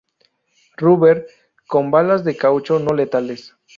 Rubber, con balas de caucho no letales.